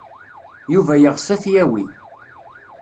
Yuba yeɣs ad t-yawi.